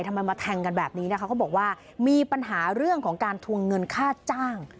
ทำไมมาแทงกันแบบนี้นะคะเขาบอกว่ามีปัญหาเรื่องของการทวงเงินค่าจ้าง